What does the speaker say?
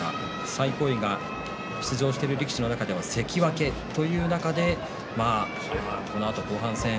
最高位が出場している力士の中では関脇という中でこのあと後半戦。